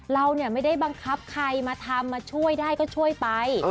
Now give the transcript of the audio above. เราไม่ได้บังคับใครมาทำมาช่วยได้ก็ช่วยไป